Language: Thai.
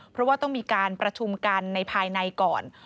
เพราะว่าต้องมีการประชุมกันในภายในก่อน